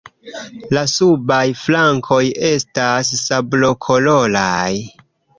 La subaj flankoj estas sablokoloraj.